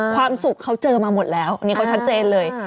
ความสุขเขาเจอมาหมดแล้วนี่เขาชัดเจนเลย